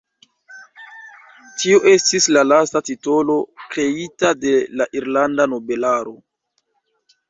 Tiu estis la lasta titolo kreita de la irlanda nobelaro.